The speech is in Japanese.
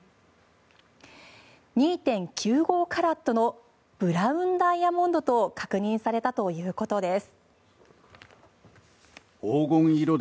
２．９５カラットのブラウンダイヤモンドと確認されたということです。